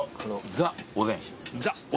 ザ・おでん。